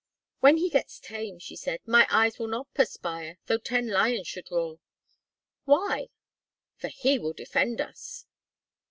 "When he gets tame," she said, "my eyes will not perspire, though ten lions should roar." "Why?" "For he will defend us."